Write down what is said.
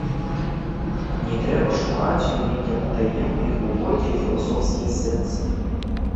Не трэба шукаць у ім нейкія патаемныя і глыбокія філасофскія сэнсы.